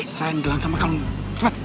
serein gelang sama kamu cepet